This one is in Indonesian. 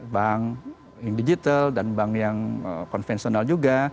bank digital dan bank yang konvensional juga